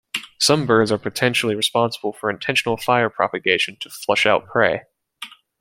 Some birds are potentially responsible for intentional fire propagation to flush out prey.